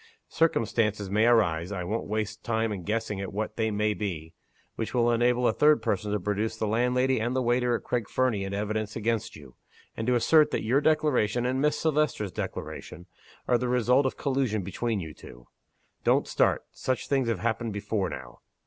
Circumstances may arise I won't waste time in guessing at what they may be which will enable a third person to produce the landlady and the waiter at Craig Fernie in evidence against you and to assert that your declaration and Miss Silvester's declaration are the result of collusion between you two. Don't start! Such things have happened before now.